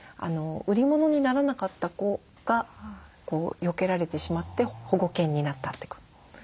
売り物にならなかった子がよけられてしまって保護犬になったって子ですね。